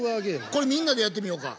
これみんなでやってみようか。